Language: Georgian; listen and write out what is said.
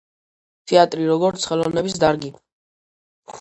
თეატრი, როგორც ხელოვნების დარგი.